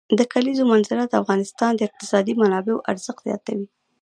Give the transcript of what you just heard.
د کلیزو منظره د افغانستان د اقتصادي منابعو ارزښت زیاتوي.